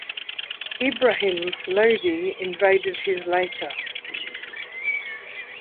Ibrahim Lodhi invaded his later.